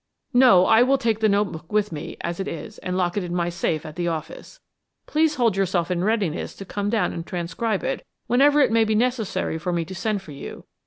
"No, I will take the note book with me as it is and lock it in my safe at the office. Please hold yourself in readiness to come down and transcribe it whenever it may be necessary for me to send for you.